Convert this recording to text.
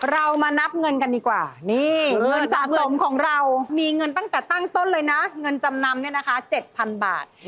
เรามานับเงินกันดีกว่านี่เงินสะสมของเรามีเงินตั้งแต่ตั้งต้นเลยนะเงินจำนำเนี่ยนะคะ๗๐๐บาท